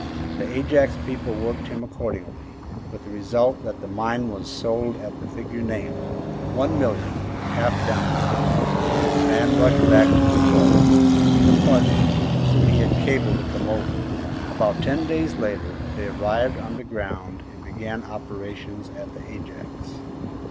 The Ajax people worked him accordingly, with the result that the mine was sold at the figure named, one million, half down, you know. The man rushed back to New York, to meet a partner whom he had cabled to come over. About ten days later they arrived on the ground and began operations at the Ajax.